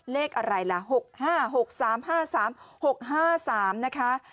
เลขอะไรล่ะ๖๕๖๓๕๓๖๕๓นะคะ